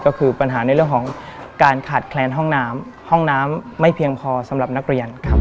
ก็คือปัญหาในเรื่องของการขาดแคลนห้องน้ำห้องน้ำไม่เพียงพอสำหรับนักเรียนครับ